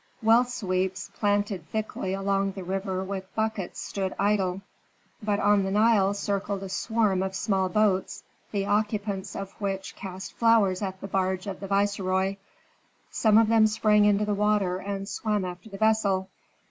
Well sweeps planted thickly along the river with buckets stood idle, but on the Nile circled a swarm of small boats, the occupants of which cast flowers at the barge of the viceroy. Some of them sprang into the water and swam after the vessel.